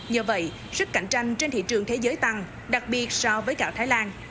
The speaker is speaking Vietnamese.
nhờ vậy sức cạnh tranh trên thị trường thế giới tăng đặc biệt so với gạo thái lan